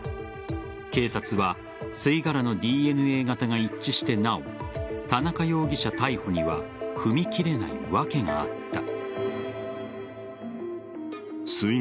警察は吸い殻のＤＮＡ型が一致してなお田中容疑者逮捕には踏み切れない訳があった。